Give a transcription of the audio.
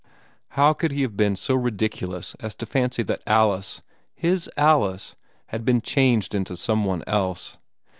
How could he have been so ridiculous as to fancy that Alice his Alice had been changed into someone else?